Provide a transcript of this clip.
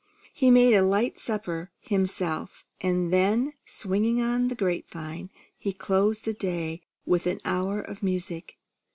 He made a light supper himself; and then swinging on the grape vine, he closed the day with an hour of music.